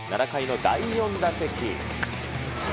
７回の第４打席。